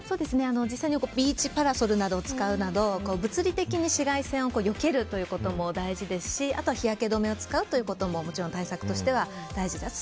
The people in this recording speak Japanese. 実際にビーチパラソルを使うなど物理的に紫外線をよけるということも大事ですしあとは日焼け止めを使うことも対策としては大事です。